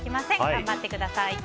頑張ってください。